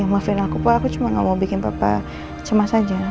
maafin aku pak aku cuma gak mau bikin papa cemas saja